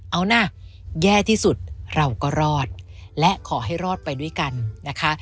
เอานะแย่ที่สุดเราก็รอดและขอให้รอดไปด้วยกันนะคะ